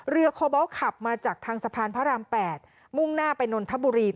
โคบอลขับมาจากทางสะพานพระราม๘มุ่งหน้าไปนนทบุรี